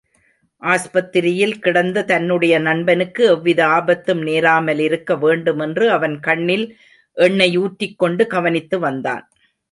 ஆஸ்பத்திரியில் கிடந்த தன்னுடைய நண்பனுக்கு எவ்வித ஆபத்தும் நேராமலிருக்க வேண்டுமென்று, அவன் கண்ணில் எண்ணையூற்றிக்கொண்டு கவனித்து வந்தான்.